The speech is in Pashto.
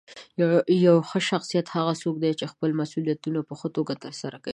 یو ښه شخصیت هغه څوک دی چې خپل مسؤلیتونه په ښه توګه ترسره کوي.